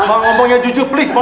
ma ngomong yang jujur please ma